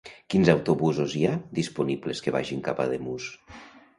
Quins autobusos hi ha disponibles que vagin cap a Ademús?